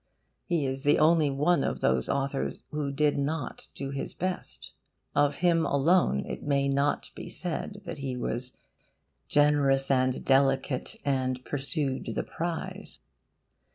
He is the only one of those authors who did not do his best. Of him alone it may not be said that he was 'generous and delicate and pursued the prize.